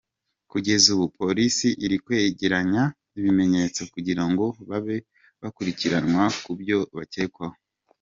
Kugeza ubu, polisi iri kwegeranya ibimenyetso kugira ngo babe bakurikiranwa ku byo bakekwaho.